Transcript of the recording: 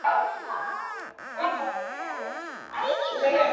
გუთანს მომეტებული ხარი არ მოსჭარბდება და წისქვილს - მომეტებული წყალიო